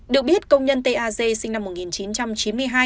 được biết công nhân ta sinh năm một nghìn chín trăm chín mươi hai